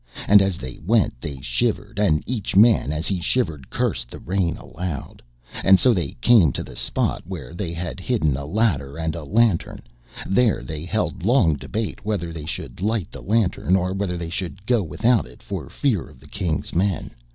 And as they went they shivered, and each man as he shivered cursed the rain aloud. And so they came to the spot where they had hidden a ladder and a lantern. There they held long debate whether they should light the lantern, or whether they should go without it for fear of the King's men.